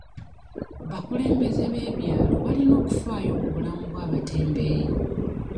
Bakulembeze b'ebyalo balina okufaayo ku bulamu bw'abatembeeyi.